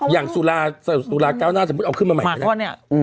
อย่างสุราเจ้าหน้าสมมติเอาขึ้นมาใหม่